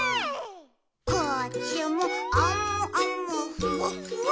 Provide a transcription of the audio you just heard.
「こっちもあむあむふわっふわ」